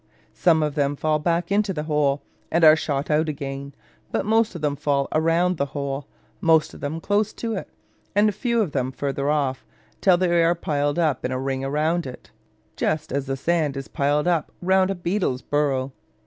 Some of them fall back into the hole, and are shot out again: but most of them fall round the hole, most of them close to it, and fewer of them farther off, till they are piled up in a ring round it, just as the sand is piled up round a beetle's burrow.